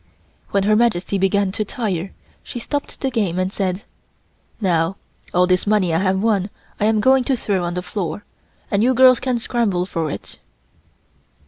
When Her Majesty began to tire, she stopped the game and said: "Now, all this money I have won I am going to throw on the floor, and you girls can scramble for it."